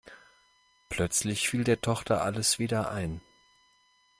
Plötzlich fiel der Tochter alles wieder ein.